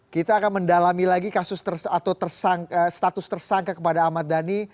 kita akan mendalami lagi status tersangka kepada ahmad dhani